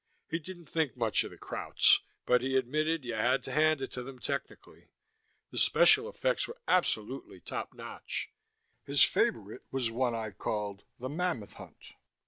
He didn't think much of the Krauts, but he admitted you had to hand it to them technically; the special effects were absolutely top notch. His favorite was one I called the Mammoth Hunt.